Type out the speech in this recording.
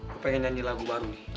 gue pengen nyanyi lagu baru nih